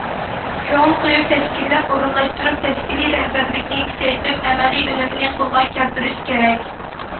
كۆڭۈل قويۇپ تەشكىللەپ ئورۇنلاشتۇرۇپ، تەشكىلىي رەھبەرلىكنى كۈچەيتىپ، ئەمەلىي ئۈنۈمنى قولغا كەلتۈرۈش كېرەك.